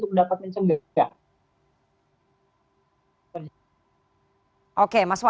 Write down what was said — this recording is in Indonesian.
tidak ada kasus korupsi sehingga kpk perlu juga untuk melakukan penimbangan